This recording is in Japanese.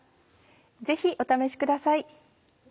ぜひお試しください。